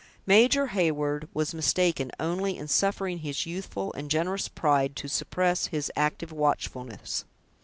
Major Heyward was mistaken only in suffering his youthful and generous pride to suppress his active watchfulness.